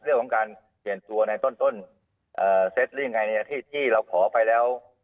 เรื่องของการเปลี่ยนตัวในต้นเซตหรือยังไงในที่เราขอไปแล้ว